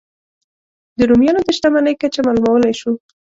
د رومیانو د شتمنۍ کچه معلومولای شو.